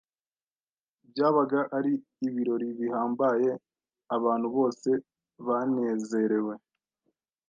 Byabaga ari ibirori bihambaye, abantu bose banezerewe.